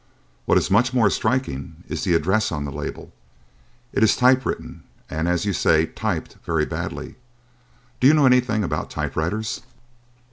What is much more striking is the address on the label. It is typewritten and, as you say, typed very badly. Do you know anything about typewriters?"